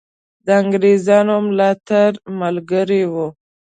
د انګرېزانو ملاتړ ملګری وو.